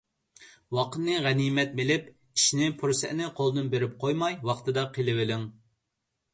ۋاقىتنى غەنىيمەت بىلىپ، ئىشنى پۇرسەتنى قولدىن بېرىپ قويماي ۋاقتىدا قىلىۋېلىڭ.